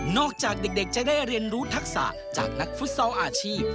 จากเด็กจะได้เรียนรู้ทักษะจากนักฟุตซอลอาชีพ